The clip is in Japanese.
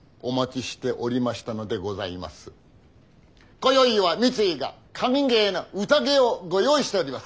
今宵は三井が歓迎の宴をご用意しております。